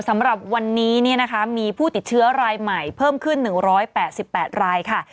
สำหรับวันนี้มีผู้ติดเชื้อรายใหม่เพิ่มขึ้น๑๘๘รายค่ะ